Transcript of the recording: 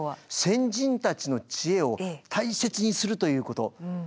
先人たちの知恵を大切にするということ。